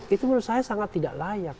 itu menurut saya sangat tidak layak